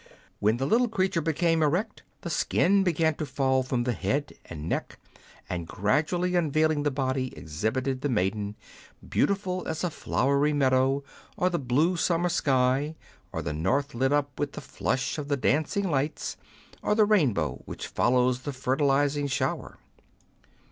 When the little creature became erect, the skin began to fall from the head and neck, and gradually unveiling the body, exhibited the maiden, beautiful as a flowery meadow, or the blue summer sky, or the north lit up with the flush of the dancing lights, or the rain bow which follows the fertilising shower.